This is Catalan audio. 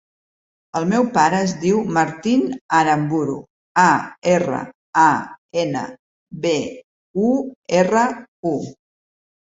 El meu pare es diu Martín Aranburu: a, erra, a, ena, be, u, erra, u.